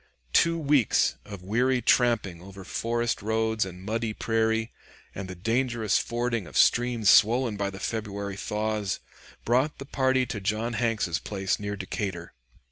Two weeks of weary tramping over forest roads and muddy prairie, and the dangerous fording of streams swollen by the February thaws, brought the party to John Hanks's place near Decatur.